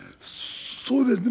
そうですね。